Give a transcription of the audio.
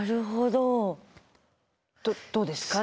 どうですか？